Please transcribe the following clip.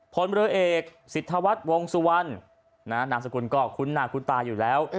พลเรือเอกสิทธวัฒน์วงสุวรรณนามสกุลก็คุ้นหน้าคุ้นตาอยู่แล้ว